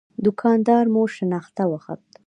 دوکان دار مو شناخته وخت.